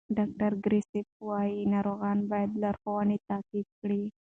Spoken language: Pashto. ډاکټر کریسپ وایي ناروغان باید لارښوونې تعقیب کړي.